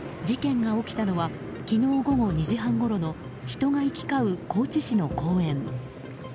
事件が起きたのは昨日午後２時半ごろの人が行き交う高知市の公園。